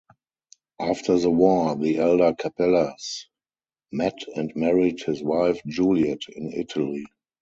After the war, the elder Capellas met and married his wife, Juliet, in Italy.